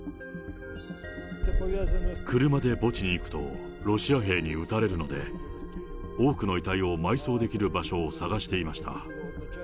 車で墓地に行くとロシア兵に撃たれるので、多くの遺体を埋葬できる場所を探していました。